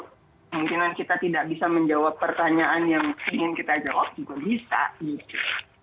kemungkinan kita tidak bisa menjawab pertanyaan yang ingin kita jawab juga bisa gitu